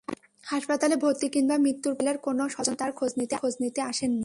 হাসপাতালে ভর্তি কিংবা মৃত্যুর পরও রুবেলের কোনো স্বজন তাঁর খোঁজ নিতে আসেননি।